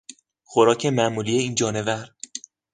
خوراک معمولی این جانور